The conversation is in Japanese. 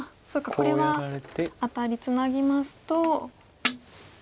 これはアタリツナぎますと。